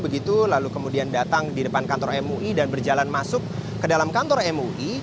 begitu lalu kemudian datang di depan kantor mui dan berjalan masuk ke dalam kantor mui